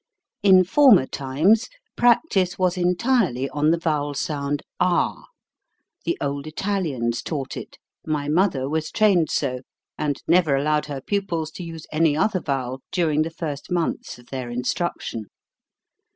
In former times practice was entirely on the vowel sound ah. The old Italians taught it; my mother was trained so, and never allowed her pupils to use any other vowel during the first months of their instruction.